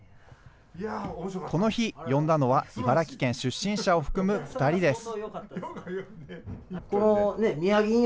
この日、呼んだのは茨城県出身者を含む２人です。